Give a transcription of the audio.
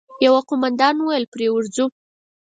يوه قوماندان وويل: پرې ورځو!